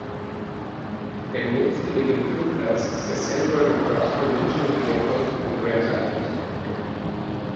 Der nächstgelegene Flugplatz ist der Central Nebraska Regional Airport in Grand Island.